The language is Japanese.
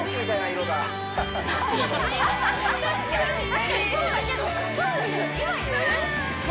確かにそうだけど今言う？